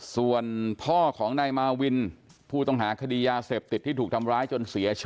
ส่วนพ่อของนายมาวินผู้ต้องหาคดียาเสพติดที่ถูกทำร้ายจนเสียชีวิต